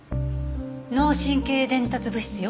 脳神経伝達物質よ。